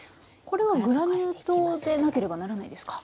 これはグラニュー糖でなければならないですか？